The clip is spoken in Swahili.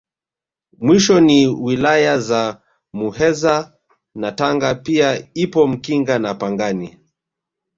Mwisho ni Wilaya za Muheza na Tanga pia ipo Mkinga na Pangani